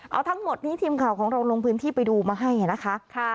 เอาทั้งหมดนี้ทีมข่าวของเราลงพื้นที่ไปดูมาให้นะคะ